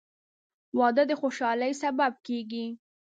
• واده د خوشحالۍ سبب کېږي.